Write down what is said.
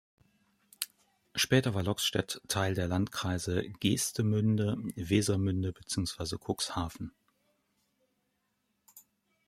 Später war Loxstedt Teil der Landkreise Geestemünde, Wesermünde beziehungsweise Cuxhaven.